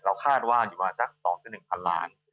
เราคาดว่าอยู่มาสัก๒๑พันล้าน